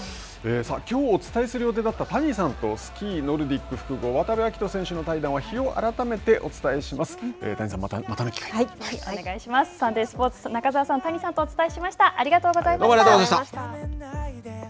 きょうお伝えする予定だった谷さんとスキーノルディック複合渡部暁斗選手の対談は日を改めてお伝えします。